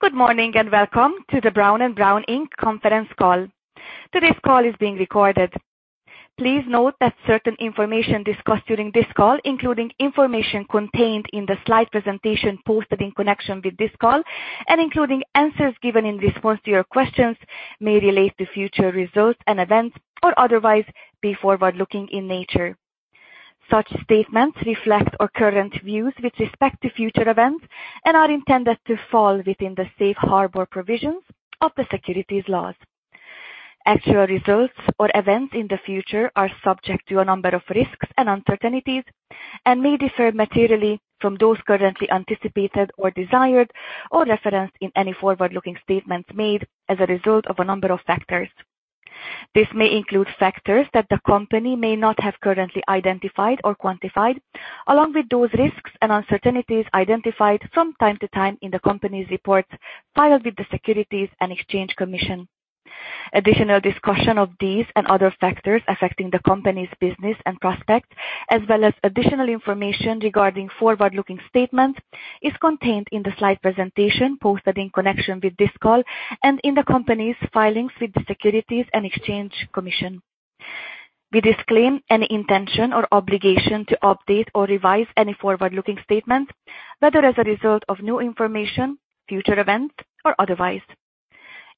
Good morning, and welcome to the Brown & Brown, Inc conference call. Today's call is being recorded. Please note that certain information discussed during this call, including information contained in the slide presentation posted in connection with this call and including answers given in response to your questions, may relate to future results and events or otherwise be forward-looking in nature. Such statements reflect our current views with respect to future events and are intended to fall within the safe harbor provisions of the securities laws. Actual results or events in the future are subject to a number of risks and uncertainties and may differ materially from those currently anticipated or desired or referenced in any forward-looking statements made as a result of a number of factors. This may include factors that the company may not have currently identified or quantified, along with those risks and uncertainties identified from time to time in the company's reports filed with the Securities and Exchange Commission. Additional discussion of these and other factors affecting the company's business and prospects, as well as additional information regarding forward-looking statements, is contained in the slide presentation posted in connection with this call and in the company's filings with the Securities and Exchange Commission. We disclaim any intention or obligation to update or revise any forward-looking statement, whether as a result of new information, future events, or otherwise.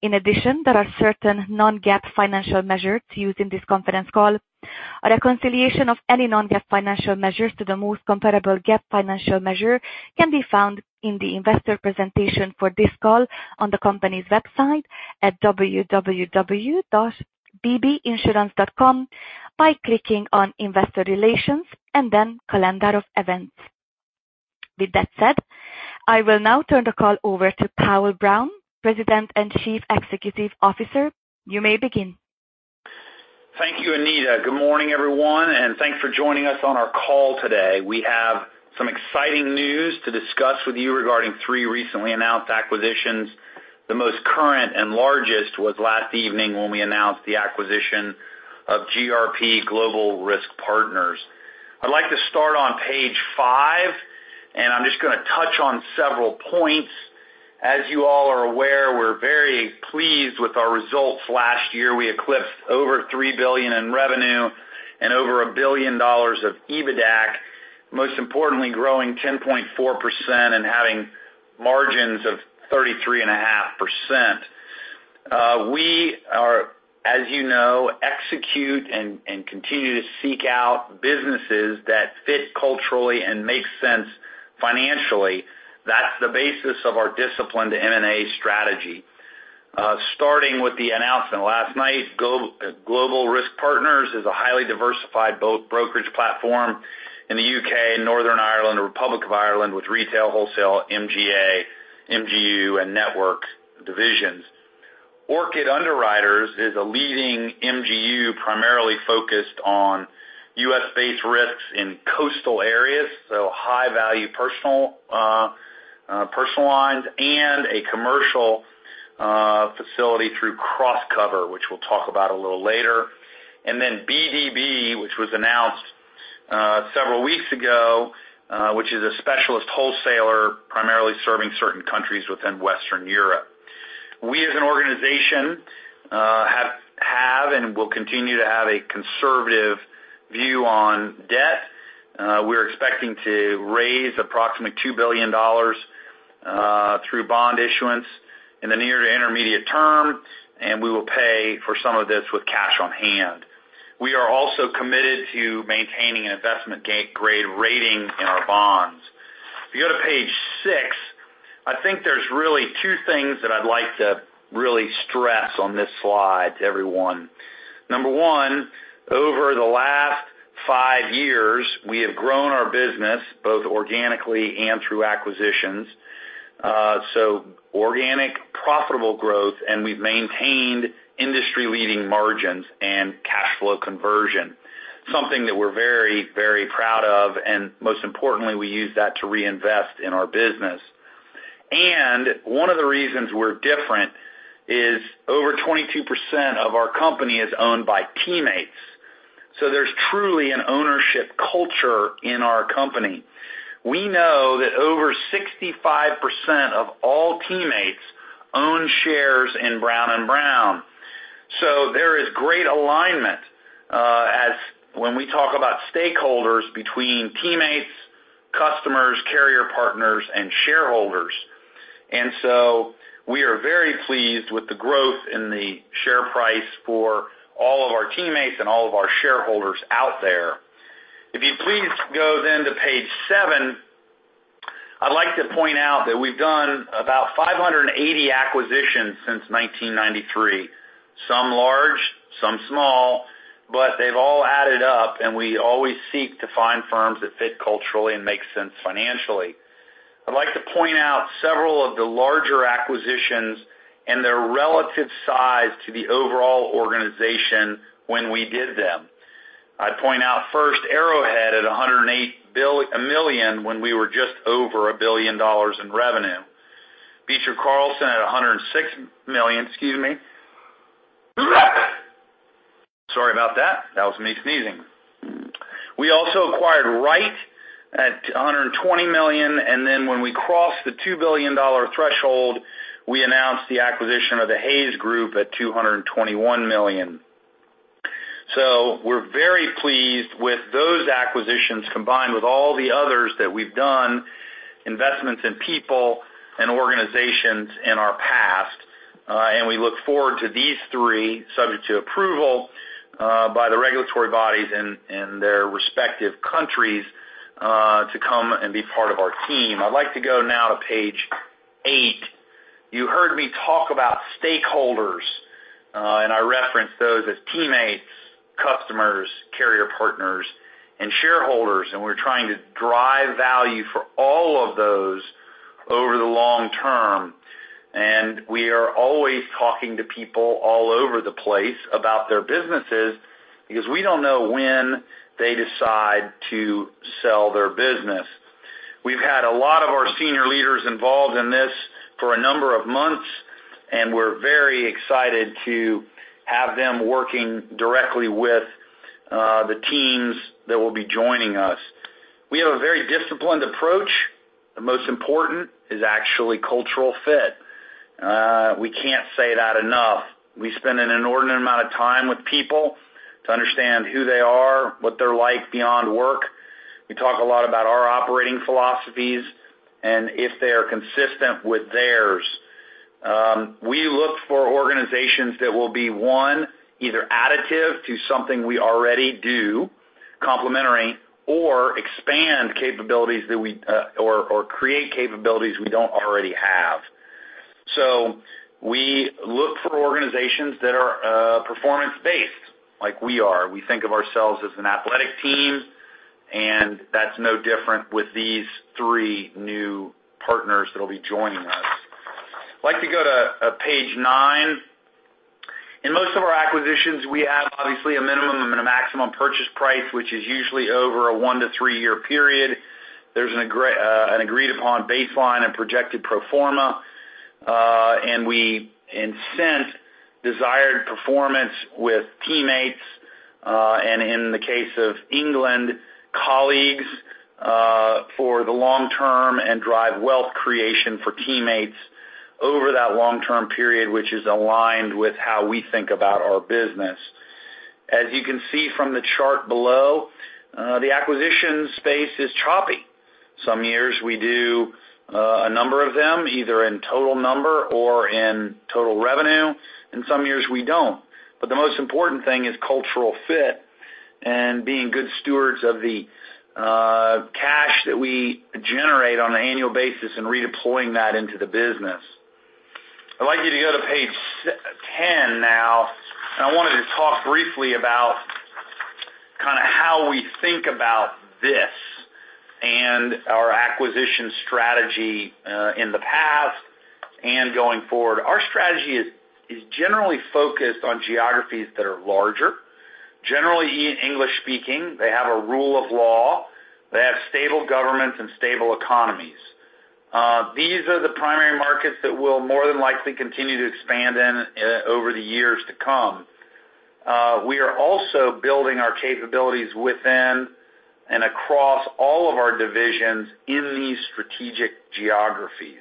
In addition, there are certain non-GAAP financial measures used in this conference call. A reconciliation of any non-GAAP financial measures to the most comparable GAAP financial measure can be found in the Investor Presentation for this call on the company's website at www.bbinsurance.com by clicking on Investor Relations and then Calendar of Events. With that said, I will now turn the call over to Powell Brown, President and Chief Executive Officer. You may begin. Thank you, Anita. Good morning, everyone, and thanks for joining us on our call today. We have some exciting news to discuss with you regarding three recently announced acquisitions. The most current and largest was last evening when we announced the acquisition of GRP, Global Risk Partners. I'd like to start on Page 5, and I'm just gonna touch on several points. As you all are aware, we're very pleased with our results. Last year, we eclipsed over $3 billion in revenue and over $1 billion of EBITDA, most importantly, growing 10.4% and having margins of 33.5%. We are, as you know, execute and continue to seek out businesses that fit culturally and make sense financially. That's the basis of our discipline to M&A strategy. Starting with the announcement last night, Global Risk Partners is a highly diversified brokerage platform in the U.K., Northern Ireland, and Republic of Ireland, with retail, wholesale, MGA, MGU, and network divisions. Orchid Underwriters is a leading MGU primarily focused on U.S.-based risks in coastal areas, so high-value personal lines and a commercial facility through CrossCover, which we'll talk about a little later. Then BdB, which was announced several weeks ago, which is a specialist wholesaler primarily serving certain countries within Western Europe. We, as an organization, have and will continue to have a conservative view on debt. We're expecting to raise approximately $2 billion through bond issuance in the near to intermediate term, and we will pay for some of this with cash on hand. We are also committed to maintaining an investment-grade rating in our bonds. If you go to Page 6, I think there's really two things that I'd like to really stress on this slide to everyone. Number one, over the last five years, we have grown our business both organically and through acquisitions. Organic, profitable growth, and we've maintained industry-leading margins and cash flow conversion, something that we're very, very proud of, and most importantly, we use that to reinvest in our business. One of the reasons we're different is over 22% of our company is owned by teammates. There's truly an ownership culture in our company. We know that over 65% of all teammates own shares in Brown & Brown. There is great alignment, as when we talk about stakeholders between teammates, customers, carrier partners, and shareholders. We are very pleased with the growth in the share price for all of our teammates and all of our shareholders out there. If you please go to Page 7, I'd like to point out that we've done about 580 acquisitions since 1993. Some large, some small, but they've all added up, and we always seek to find firms that fit culturally and make sense financially. I'd like to point out several of the larger acquisitions and their relative size to the overall organization when we did them. I'd point out first Arrowhead at $108 million when we were just over $1 billion in revenue. Beecher Carlson at $106 million. Excuse me. Sorry about that. That was me sneezing. We also acquired Wright at $220 million, and then when we crossed the $2 billion threshold, we announced the acquisition of the Hays Group at $221 million. We're very pleased with those acquisitions, combined with all the others that we've done, investments in people and organizations in our past, and we look forward to these three, subject to approval by the regulatory bodies in their respective countries, to come and be part of our team. I'd like to go now to Page 8. You heard me talk about stakeholders, and I referenced those as teammates, customers, carrier partners, and shareholders, and we're trying to drive value for all of those over the long term. We are always talking to people all over the place about their businesses because we don't know when they decide to sell their business. We've had a lot of our senior leaders involved in this for a number of months, and we're very excited to have them working directly with the teams that will be joining us. We have a very disciplined approach. The most important is actually cultural fit. We can't say that enough. We spend an inordinate amount of time with people to understand who they are, what they're like beyond work. We talk a lot about our operating philosophies and if they are consistent with theirs. We look for organizations that will be, one, either additive to something we already do, complementary, or expand capabilities that we or create capabilities we don't already have. We look for organizations that are performance-based like we are. We think of ourselves as an athletic team, and that's no different with these three new partners that'll be joining us. I'd like to go to Page 9. In most of our acquisitions, we have obviously a minimum and a maximum purchase price, which is usually over a one to three-year period. There's an agreed-upon baseline and projected pro forma, and we incent desired performance with teammates, and in the case of England, colleagues, for the long term and drive wealth creation for teammates over that long-term period, which is aligned with how we think about our business. As you can see from the chart below, the acquisition space is choppy. Some years we do a number of them, either in total number or in total revenue, and some years we don't. The most important thing is cultural fit and being good stewards of the cash that we generate on an annual basis and redeploying that into the business. I'd like you to go to Page 10 now. I wanted to talk briefly about kind of how we think about this and our acquisition strategy in the past and going forward. Our strategy is generally focused on geographies that are larger, generally English-speaking. They have a rule of law. They have stable governments and stable economies. These are the primary markets that we'll more than likely continue to expand in over the years to come. We are also building our capabilities within and across all of our divisions in these strategic geographies.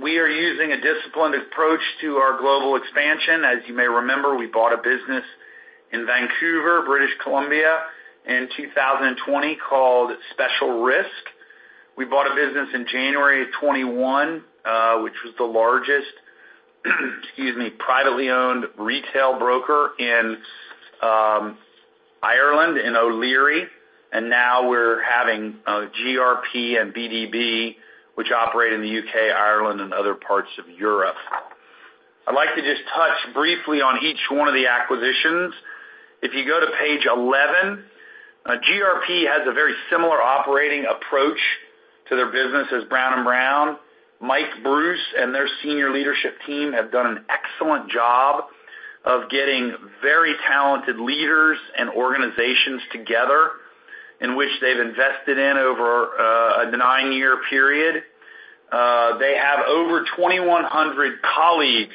We are using a disciplined approach to our global expansion. As you may remember, we bought a business in Vancouver, British Columbia, in 2020 called Special Risk. We bought a business in January 2021, which was the largest privately owned retail broker in Ireland, in O'Leary. Now we're having GRP and BdB, which operate in the U.K., Ireland, and other parts of Europe. I'd like to just touch briefly on each one of the acquisitions. If you go to Page 11, GRP has a very similar operating approach to their business as Brown & Brown. Mike Bruce and their senior leadership team have done an excellent job of getting very talented leaders and organizations together in which they've invested in over a nine-year period. They have over 2,100 colleagues.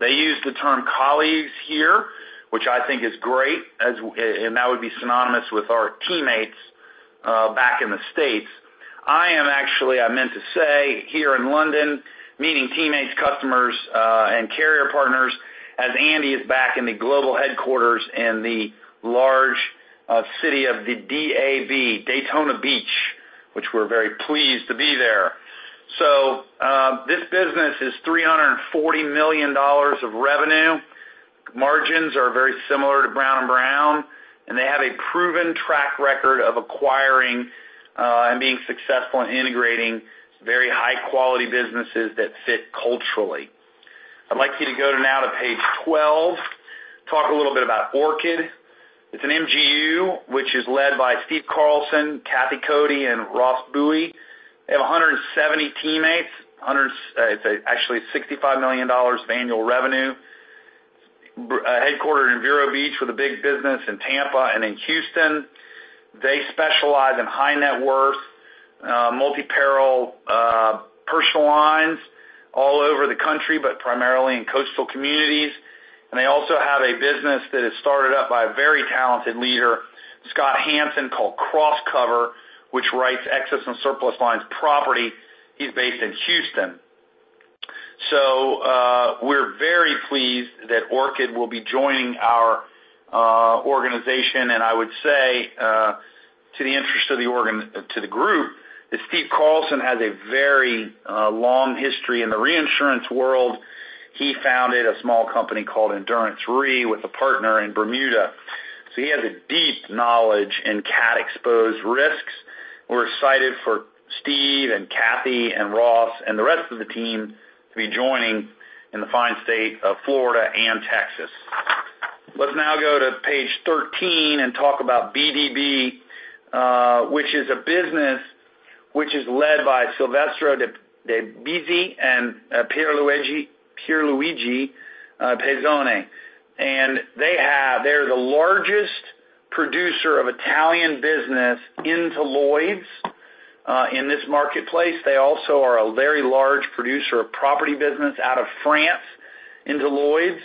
They use the term colleagues here, which I think is great, and that would be synonymous with our teammates back in the States. I am actually, I meant to say, here in London, meeting teammates, customers, and carrier partners, as Andy is back in the global headquarters in the large city of the DAB, Daytona Beach, which we're very pleased to be there. This business is $340 million of revenue. Margins are very similar to Brown & Brown, and they have a proven track record of acquiring and being successful in integrating very high-quality businesses that fit culturally. I'd like you to go now to Page 12, talk a little bit about Orchid. It's an MGU, which is led by Steve Carlsen, Kathy Cody, and Ross Bowie. They have 170 teammates, actually $65 million of annual revenue, headquartered in Vero Beach with a big business in Tampa and in Houston. They specialize in high net worth, multi-peril, personal lines all over the country, but primarily in coastal communities. They also have a business that is started up by a very talented leader, Scott Hanson, called CrossCover, which writes excess and surplus lines property. He's based in Houston. We're very pleased that Orchid will be joining our organization, and I would say to the group, that Steve Carlsen has a very long history in the reinsurance world. He founded a small company called Endurance Re with a partner in Bermuda. He has a deep knowledge in CAT-exposed risks. We're excited for Steve and Kathy and Ross and the rest of the team to be joining in the fine state of Florida and Texas. Let's now go to Page 13 and talk about BdB, which is a business which is led by Silvestro de Besi and Pierluigi Pezone. They're the largest producer of Italian business into Lloyd's in this marketplace. They also are a very large producer of property business out of France into Lloyd's.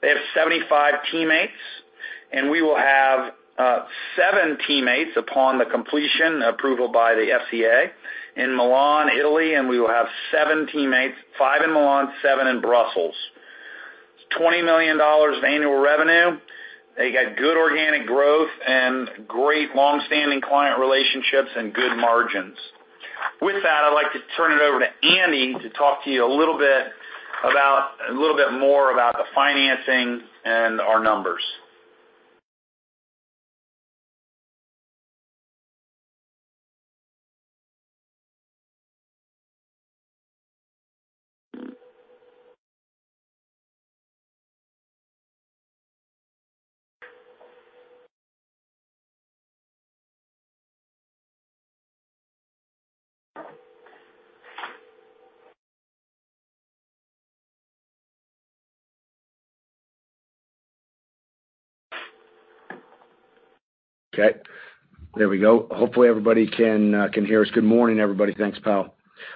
They have 75 teammates, and we will have seven teammates upon the completion approval by the FCA in Milan, Italy, and we will have seven teammates, five in Milan, seven in Brussels. $20 million of annual revenue. They got good organic growth and great long-standing client relationships and good margins. With that, I'd like to turn it over to Andy to talk to you a little bit more about the financing and our numbers. Okay. There we go. Hopefully, everybody can hear us. Good morning, everybody. Thanks, Powell.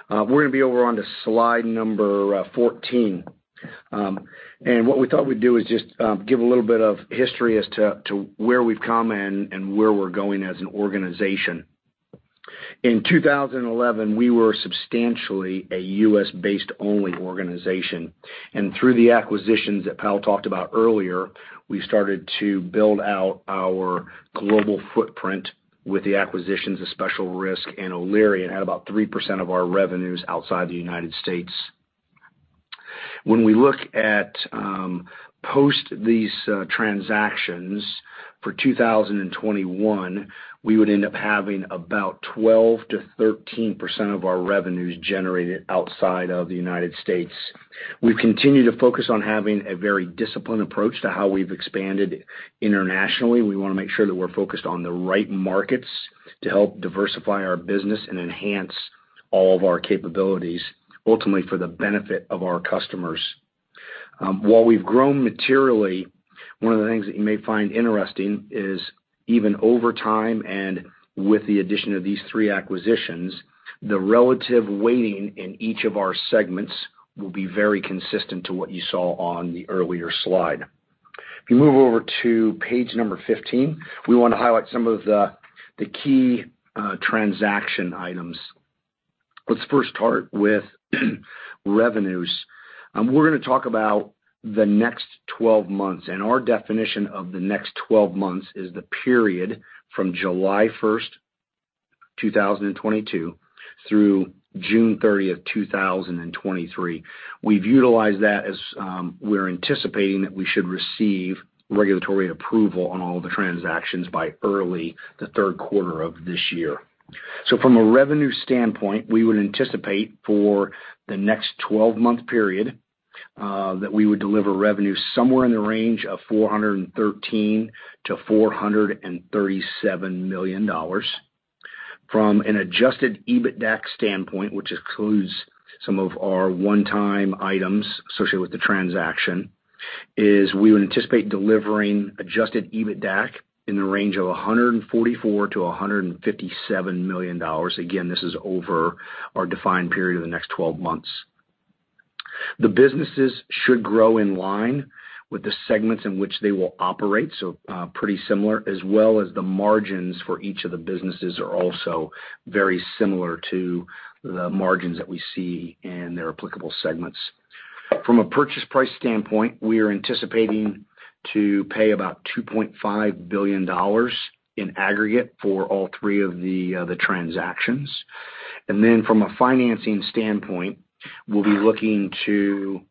We're gonna be over on to Slide number 14. What we thought we'd do is just give a little bit of history as to where we've come and where we're going as an organization. In 2011, we were substantially a U.S.-based only organization. Through the acquisitions that Powell talked about earlier, we started to build out our global footprint with the acquisitions of Special Risk and O'Leary, and had about 3% of our revenues outside the United States. When we look at post these transactions for 2021, we would end up having about 12%-13% of our revenues generated outside of the United States. We've continued to focus on having a very disciplined approach to how we've expanded internationally. We wanna make sure that we're focused on the right markets to help diversify our business and enhance all of our capabilities, ultimately for the benefit of our customers. While we've grown materially, one of the things that you may find interesting is even over time and with the addition of these three acquisitions, the relative weighting in each of our segments will be very consistent to what you saw on the earlier slide. If you move over to Page number 15, we wanna highlight some of the key transaction items. Let's first start with revenues. We're gonna talk about the next 12 months, and our definition of the next 12 months is the period from July 1st, 2022 through June 30th, 2023. We've utilized that as we're anticipating that we should receive regulatory approval on all the transactions by early in the third quarter of this year. From a revenue standpoint, we would anticipate for the next twelve-month period that we would deliver revenue somewhere in the range of $413 million-$437 million. From an adjusted EBITDAC standpoint, which includes some of our one-time items associated with the transaction, we would anticipate delivering adjusted EBITDAC in the range of $144 million-$157 million. Again, this is over our defined period of the next twelve months. The businesses should grow in line with the segments in which they will operate, so pretty similar, as well as the margins for each of the businesses are also very similar to the margins that we see in their applicable segments. From a purchase price standpoint, we are anticipating to pay about $2.5 billion in aggregate for all three of the transactions. From a financing standpoint, we'll be looking to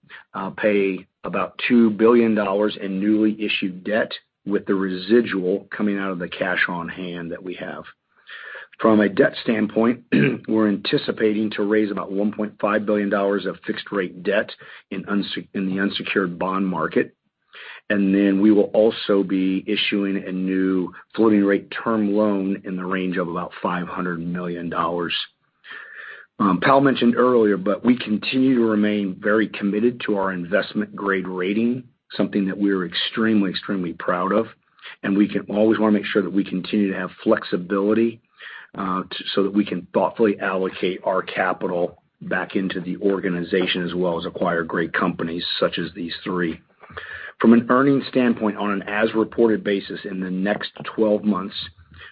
pay about $2 billion in newly issued debt with the residual coming out of the cash on hand that we have. From a debt standpoint, we're anticipating to raise about $1.5 billion of fixed rate debt in the unsecured bond market. We will also be issuing a new floating rate term loan in the range of about $500 million. Powell mentioned earlier, but we continue to remain very committed to our investment-grade rating, something that we are extremely proud of, and we can always wanna make sure that we continue to have flexibility, so that we can thoughtfully allocate our capital back into the organization as well as acquire great companies such as these three. From an earnings standpoint, on an as-reported basis in the next 12 months,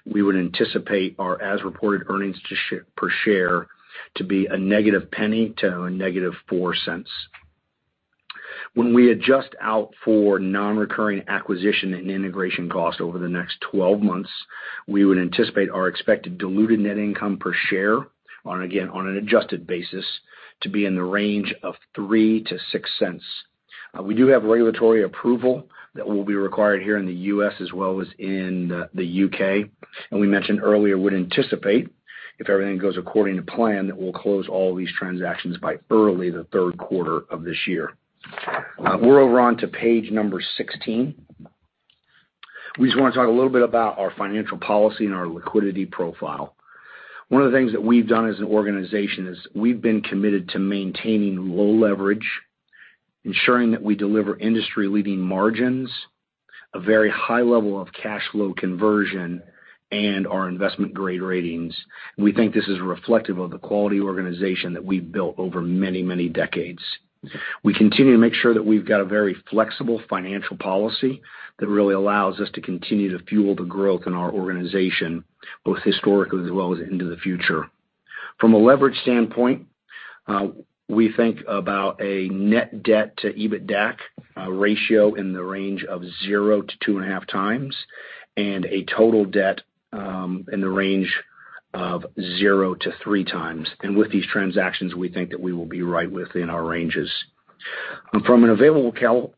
we would anticipate our as-reported earnings per share to be -$0.01 to -$0.04. When we adjust out for non-recurring acquisition and integration costs over the next 12 months, we would anticipate our expected diluted net income per share on, again, on an adjusted basis, to be in the range of $0.03-$0.06. We do have regulatory approval that will be required here in the U.S. as well as in the U.K. We mentioned earlier, we'd anticipate, if everything goes according to plan, that we'll close all these transactions by early the third quarter of this year. We're over on to Page number 16. We just want to talk a little bit about our financial policy and our liquidity profile. One of the things that we've done as an organization is we've been committed to maintaining low leverage, ensuring that we deliver industry-leading margins, a very high level of cash flow conversion, and our investment-grade ratings. We think this is reflective of the quality organization that we've built over many, many decades. We continue to make sure that we've got a very flexible financial policy that really allows us to continue to fuel the growth in our organization, both historically as well as into the future. From a leverage standpoint, we think about a net debt to EBITDAC ratio in the range of 0x-2.5x, and a total debt in the range of 0x-3x. With these transactions, we think that we will be right within our ranges. From an available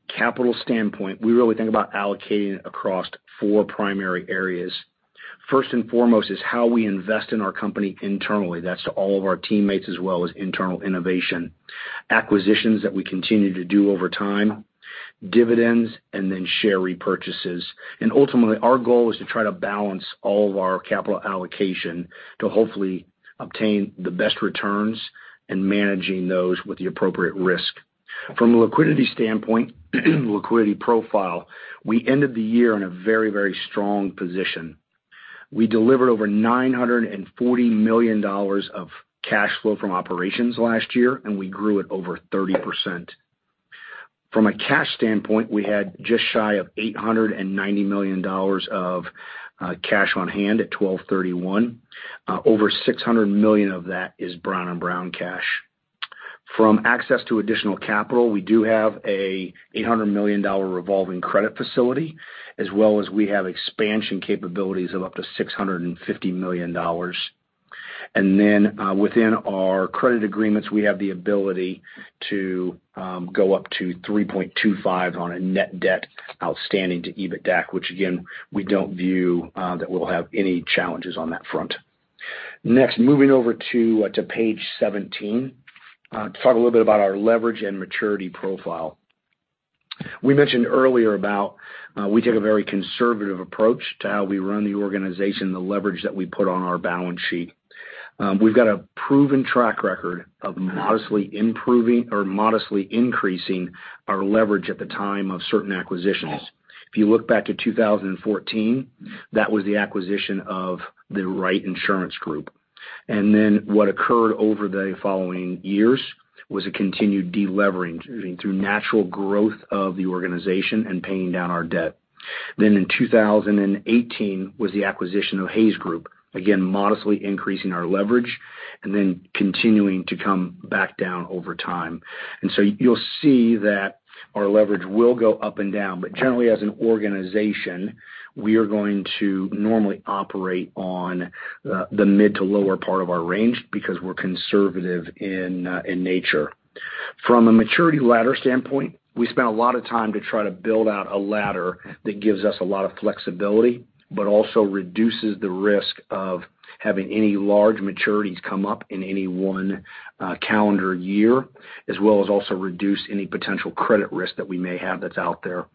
capital standpoint, we really think about allocating across four primary areas. First and foremost is how we invest in our company internally. That's to all of our teammates as well as internal innovation. Acquisitions that we continue to do over time, dividends, and then share repurchases. Ultimately, our goal is to try to balance all of our capital allocation to hopefully obtain the best returns and managing those with the appropriate risk. From a liquidity standpoint, liquidity profile, we ended the year in a very, very strong position. We delivered over $940 million of cash flow from operations last year, and we grew at over 30%. From a cash standpoint, we had just shy of $890 million of cash on hand at 12/31. Over $600 million of that is Brown & Brown cash. From access to additional capital, we do have a $800 million revolving credit facility as well as we have expansion capabilities of up to $650 million. Within our credit agreements, we have the ability to go up to 3.25x on a net debt outstanding to EBITDAC, which again, we don't view that we'll have any challenges on that front. Next, moving over to Page 17 to talk a little bit about our leverage and maturity profile. We mentioned earlier about we take a very conservative approach to how we run the organization, the leverage that we put on our balance sheet. We've got a proven track record of modestly improving or modestly increasing our leverage at the time of certain acquisitions. If you look back at 2014, that was the acquisition of The Wright Insurance Group. What occurred over the following years was a continued de-leveraging through natural growth of the organization and paying down our debt. In 2018 was the acquisition of Hays Group, again, modestly increasing our leverage and then continuing to come back down over time. You'll see that our leverage will go up and down. Generally, as an organization, we are going to normally operate on the mid to lower part of our range because we're conservative in nature. From a maturity ladder standpoint, we spent a lot of time to try to build out a ladder that gives us a lot of flexibility, but also reduces the risk of having any large maturities come up in any one calendar year, as well as also reduce any potential credit risk that we may have that's out there.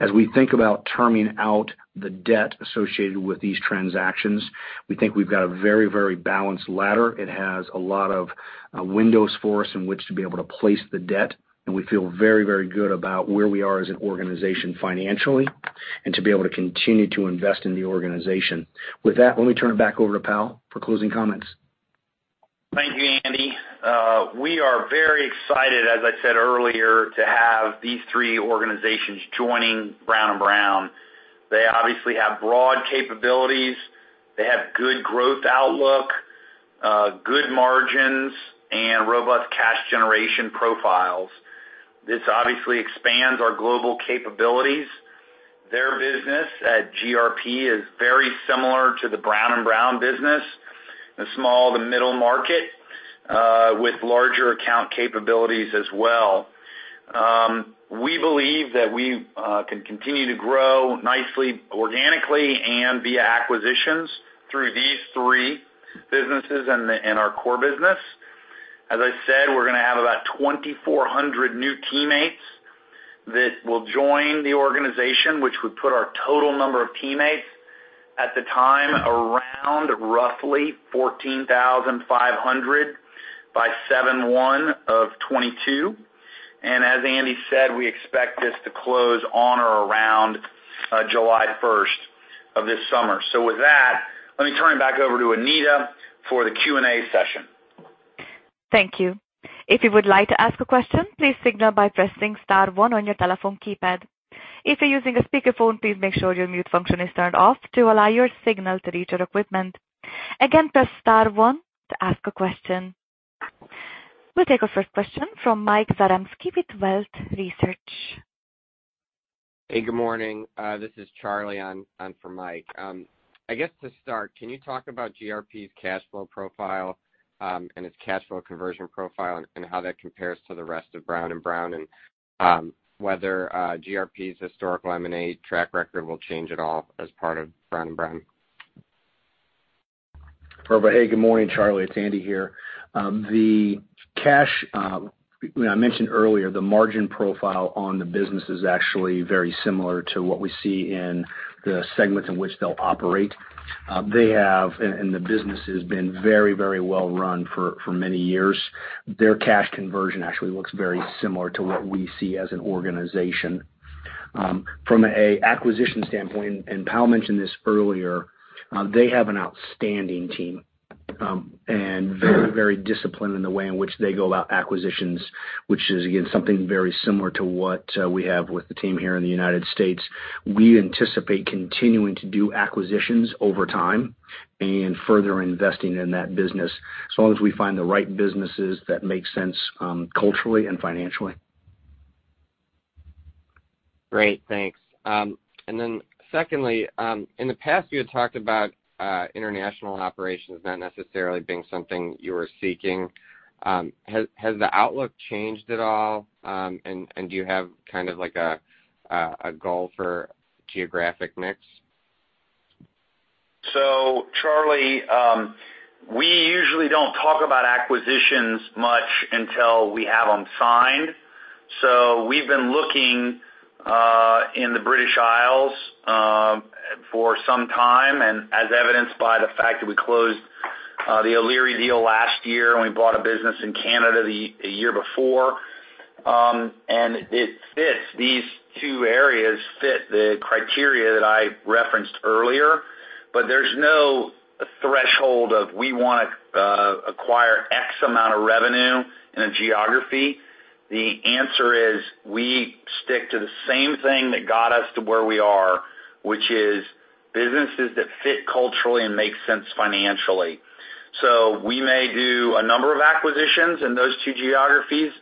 As we think about terming out the debt associated with these transactions, we think we've got a very, very balanced ladder. It has a lot of windows for us in which to be able to place the debt, and we feel very, very good about where we are as an organization financially, and to be able to continue to invest in the organization. With that, let me turn it back over to Powell for closing comments. Thank you, Andy. We are very excited, as I said earlier, to have these three organizations joining Brown & Brown. They obviously have broad capabilities. They have good growth outlook, good margins, and robust cash generation profiles. This obviously expands our global capabilities. Their business at GRP is very similar to the Brown & Brown business, the small to middle market, with larger account capabilities as well. We believe that we can continue to grow nicely, organically and via acquisitions through these three businesses and our core business. As I said, we're gonna have about 2,400 new teammates that will join the organization, which would put our total number of teammates at the time around roughly 14,500 by 7/1 of 2022. As Andy said, we expect this to close on or around July 1st of this summer. With that, let me turn it back over to Anita for the Q&A session. Thank you. If you would like to ask a question, please signal by pressing star one on your telephone keypad. If you're using a speakerphone, please make sure your mute function is turned off to allow your signal to reach our equipment. Again, press star one to ask a question. We'll take our first question from Mike Zaremski with Wolfe Research. Hey, good morning. This is Charlie in for Mike. I guess to start, can you talk about GRP's cash flow profile and its cash flow conversion profile and how that compares to the rest of Brown & Brown, and whether GRP's historical M&A track record will change at all as part of Brown & Brown? Perfect. Hey, good morning, Charlie. It's Andy here. When I mentioned earlier, the margin profile on the business is actually very similar to what we see in the segments in which they'll operate. The business has been very, very well run for many years. Their cash conversion actually looks very similar to what we see as an organization. From an acquisition standpoint, and Powell mentioned this earlier, they have an outstanding team, and very disciplined in the way in which they go about acquisitions, which is, again, something very similar to what we have with the team here in the United States. We anticipate continuing to do acquisitions over time and further investing in that business, as long as we find the right businesses that make sense, culturally and financially. Great. Thanks. Secondly, in the past you had talked about international operations not necessarily being something you were seeking. Has the outlook changed at all? Do you have kind of like a goal for geographic mix? Charlie, we usually don't talk about acquisitions much until we have them signed. We've been looking in the British Isles for some time, and as evidenced by the fact that we closed the O'Leary deal last year, and we bought a business in Canada a year before. It fits. These two areas fit the criteria that I referenced earlier. There's no threshold of we wanna acquire x amount of revenue in a geography. The answer is we stick to the same thing that got us to where we are, which is businesses that fit culturally and make sense financially. We may do a number of acquisitions in those two geographies,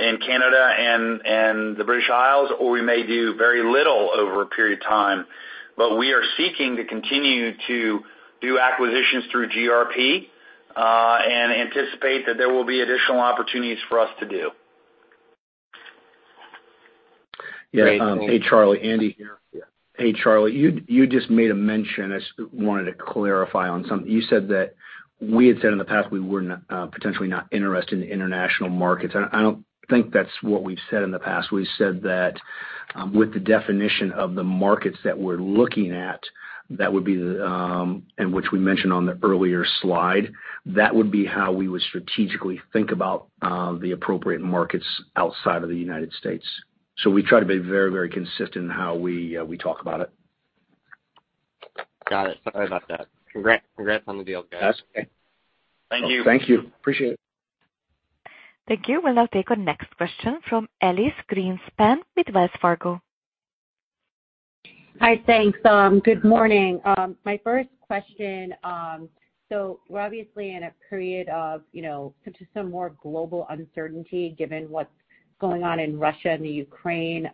in Canada and the British Isles, or we may do very little over a period of time, but we are seeking to continue to do acquisitions through GRP, and anticipate that there will be additional opportunities for us to do. Great. Hey, Charlie, Andy here. Hey, Charlie. You just made a mention I just wanted to clarify on something. You said that we had said in the past we were not potentially not interested in international markets, and I don't think that's what we've said in the past. We've said that with the definition of the markets that we're looking at, that would be the and which we mentioned on the earlier slide, that would be how we would strategically think about the appropriate markets outside of the United States. We try to be very, very consistent in how we talk about it. Got it. Sorry about that. Congrats, congrats on the deal, guys. That's okay. Thank you. Thank you. Appreciate it. Thank you. We'll now take our next question from Elyse Greenspan with Wells Fargo. Hi. Thanks. Good morning. My first question, we're obviously in a period of, you know, just some more global uncertainty given what's going on in Russia and the Ukraine.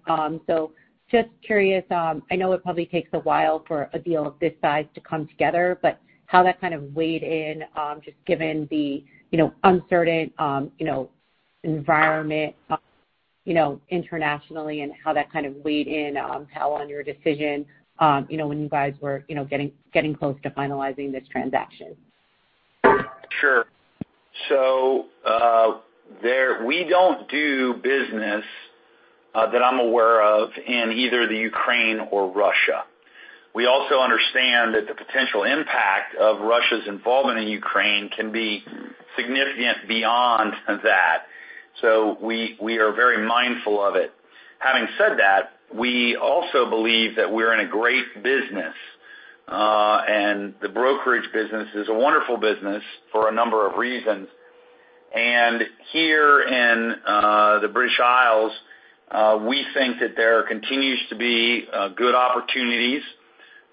Just curious, I know it probably takes a while for a deal of this size to come together, but how that kind of weighed in, just given the, you know, uncertain, you know, environment, you know, internationally, and how that kind of weighed in, Powell, on your decision, you know, when you guys were, you know, getting close to finalizing this transaction. We don't do business that I'm aware of in either Ukraine or Russia. We also understand that the potential impact of Russia's involvement in Ukraine can be significant beyond that. We are very mindful of it. Having said that, we also believe that we're in a great business, and the brokerage business is a wonderful business for a number of reasons. Here in the British Isles, we think that there continues to be good opportunities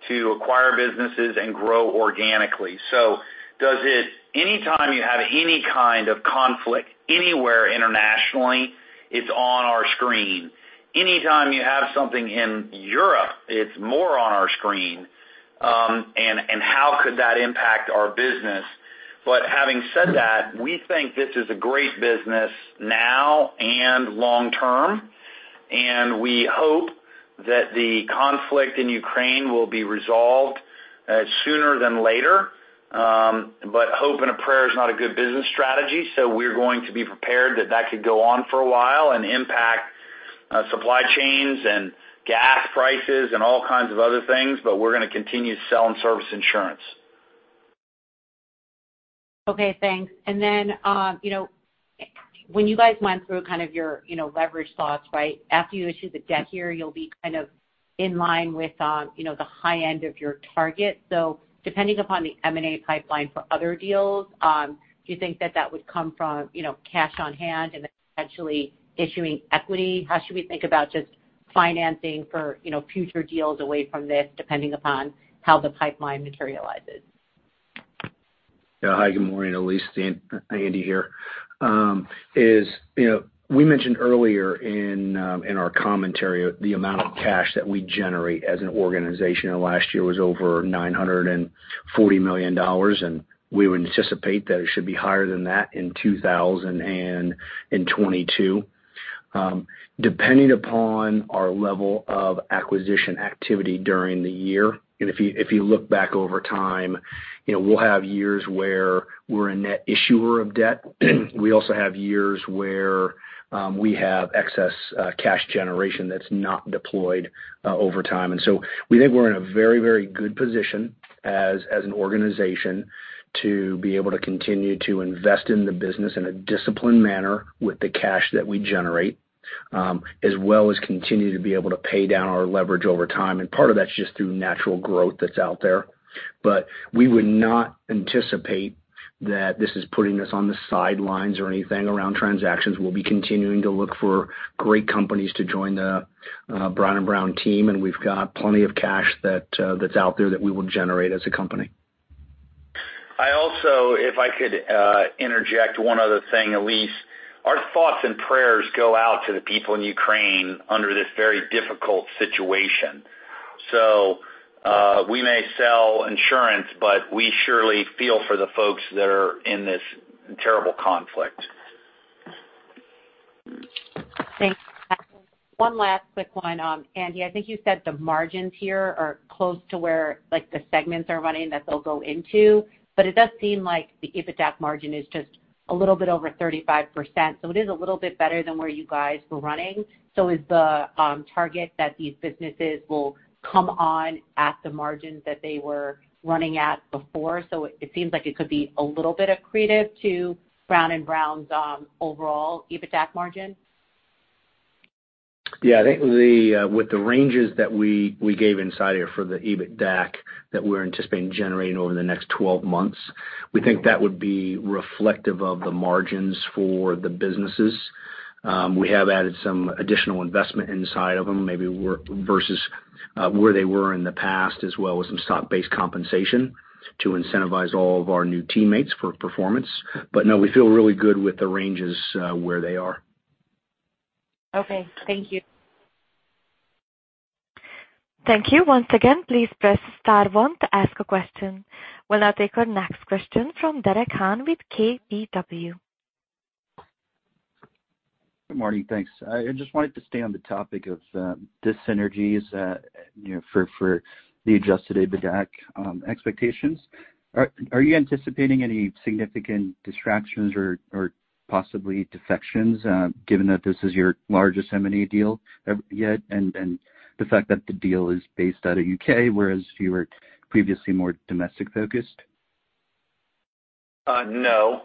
to acquire businesses and grow organically. Anytime you have any kind of conflict anywhere internationally, it's on our screen. Anytime you have something in Europe, it's more on our screen. How could that impact our business? Having said that, we think this is a great business now and long term, and we hope that the conflict in Ukraine will be resolved sooner than later. Hope and a prayer is not a good business strategy, so we're going to be prepared that it could go on for a while and impact supply chains and gas prices and all kinds of other things. We're gonna continue to sell and service insurance. Okay, thanks. You know, when you guys went through kind of your, you know, leverage thoughts, right, after you issue the debt here, you'll be kind of in line with, you know, the high end of your target. Depending upon the M&A pipeline for other deals, do you think that would come from, you know, cash on hand and potentially issuing equity? How should we think about just financing for, you know, future deals away from this, depending upon how the pipeline materializes? Yeah. Hi, good morning, Elyse. Andy here. You know, we mentioned earlier in our commentary the amount of cash that we generate as an organization, and last year was over $940 million, and we would anticipate that it should be higher than that in 2022. Depending upon our level of acquisition activity during the year, and if you look back over time, you know, we'll have years where we're a net issuer of debt. We also have years where we have excess cash generation that's not deployed over time. We think we're in a very, very good position as an organization to be able to continue to invest in the business in a disciplined manner with the cash that we generate, as well as continue to be able to pay down our leverage over time. Part of that's just through natural growth that's out there. We would not anticipate that this is putting us on the sidelines or anything around transactions. We'll be continuing to look for great companies to join the Brown & Brown team, and we've got plenty of cash that's out there that we will generate as a company. I also, if I could, interject one other thing, Elyse. Our thoughts and prayers go out to the people in Ukraine under this very difficult situation. We may sell insurance, but we surely feel for the folks that are in this terrible conflict. Thanks. One last quick one. Andy, I think you said the margins here are close to where, like, the segments are running that they'll go into, but it does seem like the EBITDAC margin is just a little bit over 35%, so it is a little bit better than where you guys were running. Is the target that these businesses will come on at the margins that they were running at before? It seems like it could be a little bit accretive to Brown & Brown's overall EBITDAC margin. Yeah, I think with the ranges that we gave inside here for the EBITDAC that we're anticipating generating over the next 12 months, we think that would be reflective of the margins for the businesses. We have added some additional investment inside of them maybe work versus where they were in the past, as well as some stock-based compensation to incentivize all of our new teammates for performance. No, we feel really good with the ranges where they are. Okay, thank you. Thank you. Once again, please press star one to ask a question. We'll now take our next question from Derek Han with KBW. Good morning. Thanks. I just wanted to stay on the topic of dis-synergies for the adjusted EBITDAC expectations. Are you anticipating any significant distractions or possibly defections given that this is your largest M&A deal yet, and the fact that the deal is based out of U.K., whereas you were previously more domestic-focused? No.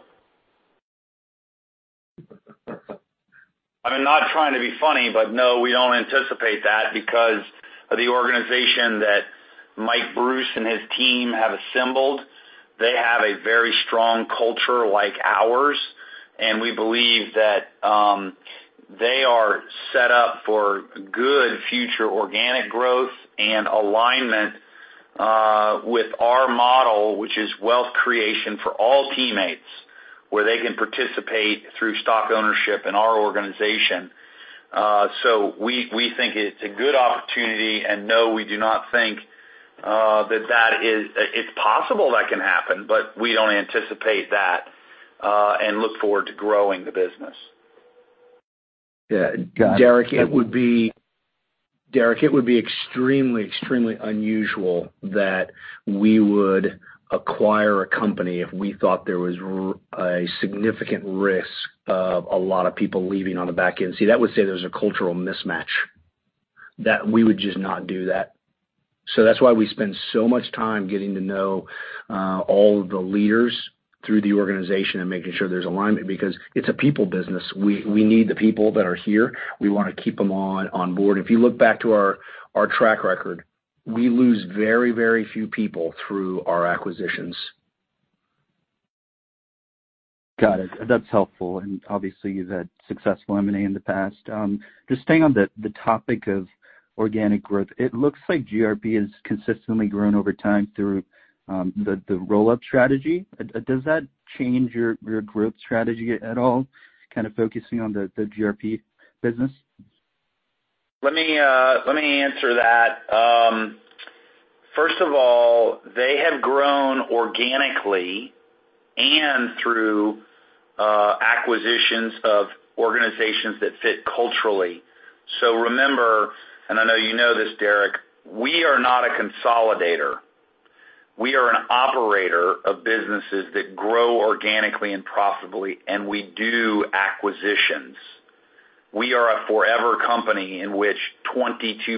I'm not trying to be funny, but no, we don't anticipate that because of the organization that Mike Bruce and his team have assembled. They have a very strong culture like ours, and we believe that they are set up for good future organic growth and alignment with our model, which is wealth creation for all teammates, where they can participate through stock ownership in our organization. We think it's a good opportunity and no, we do not think that is. It's possible that can happen, but we don't anticipate that, and look forward to growing the business. Yeah. Got it. Derek, it would be extremely unusual that we would acquire a company if we thought there was a significant risk of a lot of people leaving on the back end. See, that would say there's a cultural mismatch, that we would just not do that. That's why we spend so much time getting to know all of the leaders through the organization and making sure there's alignment because it's a people business. We need the people that are here. We wanna keep them on board. If you look back to our track record, we lose very few people through our acquisitions. Got it. That's helpful, and obviously you've had successful M&A in the past. Just staying on the topic of organic growth, it looks like GRP has consistently grown over time through the roll-up strategy. Does that change your growth strategy at all, kind of focusing on the GRP business? Let me answer that. First of all, they have grown organically and through acquisitions of organizations that fit culturally. Remember, and I know you know this, Derek, we are not a consolidator. We are an operator of businesses that grow organically and profitably, and we do acquisitions. We are a forever company in which 22%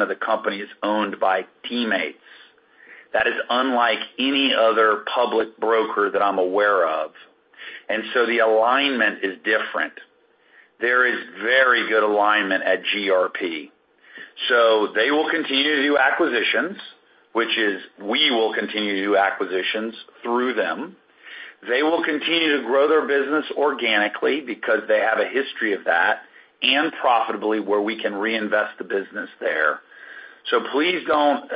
of the company is owned by teammates. That is unlike any other public broker that I'm aware of. The alignment is different. There is very good alignment at GRP. They will continue to do acquisitions, which is we will continue to do acquisitions through them. They will continue to grow their business organically because they have a history of that and profitably where we can reinvest the business there. Please don't.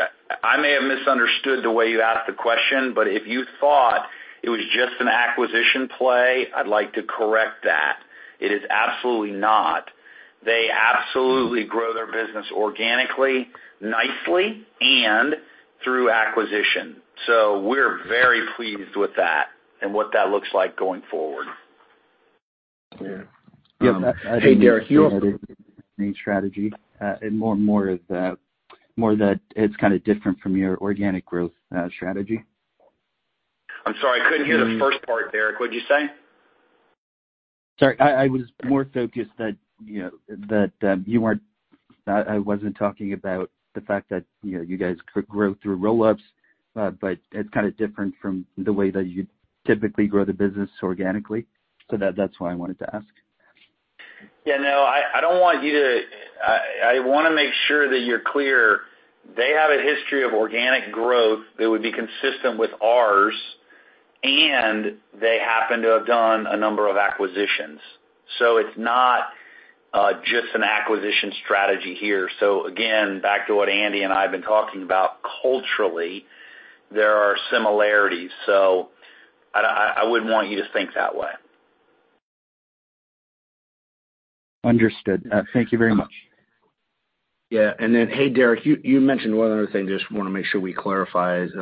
I may have misunderstood the way you asked the question, but if you thought it was just an acquisition play, I'd like to correct that. It is absolutely not. They absolutely grow their business organically, nicely, and through acquisition. We're very pleased with that and what that looks like going forward. Hey, Derek. -strategy. More and more of that, more that it's kinda different from your organic growth strategy. I'm sorry. I couldn't hear the first part, Derek. What'd you say? Sorry, I was more focused on that, you know, I wasn't talking about the fact that, you know, you guys could grow through roll-ups, but it's kinda different from the way that you typically grow the business organically. That's why I wanted to ask. Yeah, no, I don't want you to. I wanna make sure that you're clear. They have a history of organic growth that would be consistent with ours, and they happen to have done a number of acquisitions. It's not just an acquisition strategy here. Again, back to what Andy and I have been talking about culturally, there are similarities. I wouldn't want you to think that way. Understood. Thank you very much. Yeah. Hey, Derek, you mentioned one other thing. Just wanna make sure we clarify is,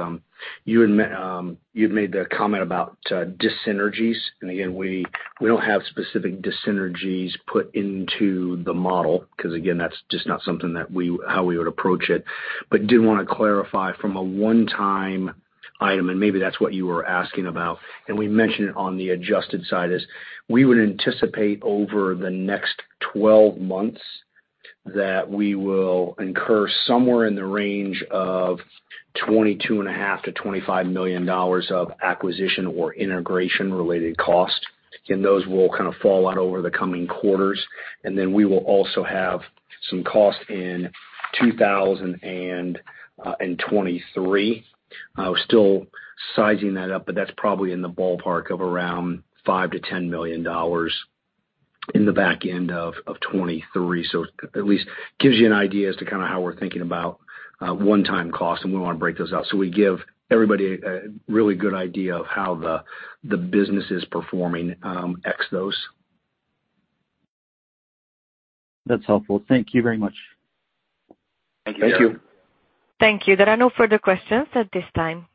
you made the comment about dis-synergies. Again, we don't have specific dis-synergies put into the model 'cause, again, that's just not something that we how we would approach it. But did wanna clarify from a one-time item, and maybe that's what you were asking about, and we mentioned it on the adjusted side, is we would anticipate over the next 12 months that we will incur somewhere in the range of $22.5 million-$25 million of acquisition or integration-related costs. Those will kind of fall out over the coming quarters. We will also have some costs in 2023. We're still sizing that up, but that's probably in the ballpark of around $5 million-$10 million in the back end of 2023. At least gives you an idea as to kinda how we're thinking about one-time costs, and we wanna break those out, so we give everybody a really good idea of how the business is performing [ex] those. That's helpful. Thank you very much. Thank you. Thank you. Thank you. There are no further questions at this time.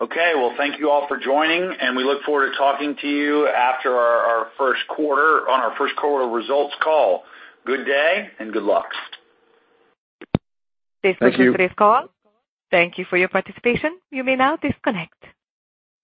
Okay. Well, thank you all for joining, and we look forward to talking to you on our first quarter results call. Good day and good luck. This concludes today's call. Thank you for your participation. You may now disconnect.